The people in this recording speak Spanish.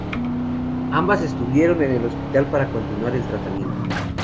Ambas estuvieron en el hospital para continuar el tratamiento.